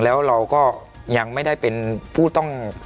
แล้วเราก็ยังไม่ได้เป็นผู้ต้อง